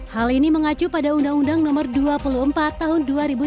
hal ini mengacu pada undang undang no dua puluh empat tahun dua ribu tujuh belas